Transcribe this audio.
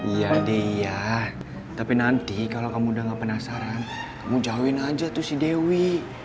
iya dia tapi nanti kalau kamu udah gak penasaran kamu jauhin aja tuh si dewi